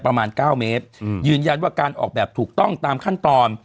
ประมาณ๙เมตรยืนยันว่าการออกแบบถูกต้องตามขั้นตอน